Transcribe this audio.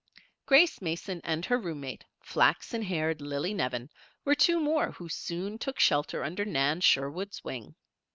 Grace Mason and her room mate, flaxen haired Lillie Nevin, were two more who soon took shelter under Nan Sherwood's wing.